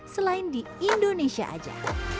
selain di indonesia aja